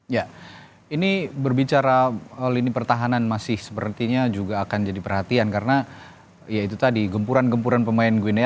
ya ini berbicara lini pertahanan masih sepertinya juga akan jadi perhatian karena ya itu tadi gempuran gempuran pemain gue ini